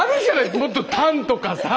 もっとタンとかさあ。